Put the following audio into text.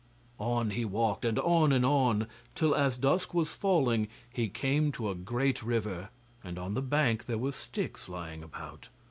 On he walked, and on and on, till as dusk was falling he came to a great river, and on the bank there were sticks lying about.